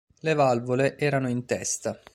Le valvole erano in testa.